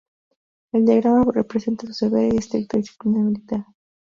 El diagrama representa su severa y estricta disciplina militar.